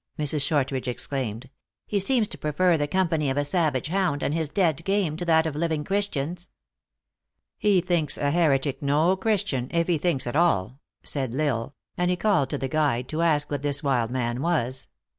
Mrs. Shortridge exclaimed. " He seems to prefer the company of a savage hound, and his dead game, to that of living Christians." " He thinks a heretic no Christian, if he thinks at all," said L Isle ; and he called to the guide, to ask what this wild man was.